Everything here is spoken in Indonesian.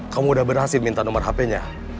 kamu udah berhasil minta nomor hp nya